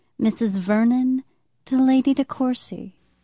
XX _Mrs. Vernon to Lady De Courcy.